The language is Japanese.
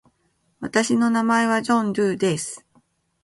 私の名前はジョン・ドゥーです。